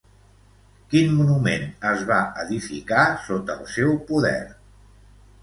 Quin monument es va edificar sota el seu poder?